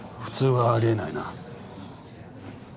普通はありえないな。